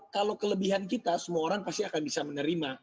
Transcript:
kalau kelebihan kita semua orang pasti akan bisa menerima